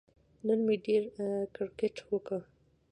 نن مې ډېر کیرکټ وکه